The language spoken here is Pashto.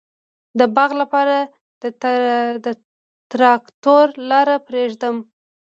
د باغ لپاره د تراکتور لاره پریږدم؟